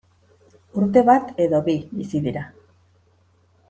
Urte bat edo bi bizi dira.